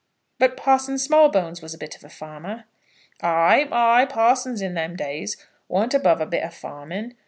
"But Parson Smallbones was a bit of a farmer?" "Ay, ay. Parsons in them days warn't above a bit of farming.